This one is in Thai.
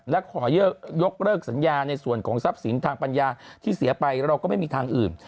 และขอยกเลิกสัญญาในส่วนของทรัพย์สินทางปัญญาที่เสียไปเราก็ไม่มีทางอื่น